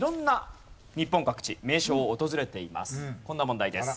こんな問題です。